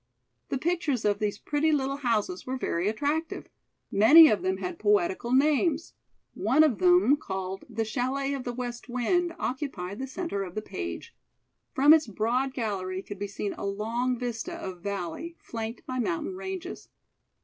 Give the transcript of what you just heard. The pictures of these pretty little houses were very attractive. Many of them had poetical names. One of them, called "The Chalet of the West Wind," occupied the centre of the page. From its broad gallery could be seen a long vista of valley, flanked by mountain ranges.